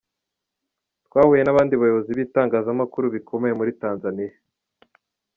Twahuye n’abandi bayobizi b’ibitangazamakuru bikomeye muri Tanzania.